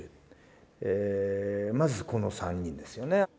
まずこの３人ですよね。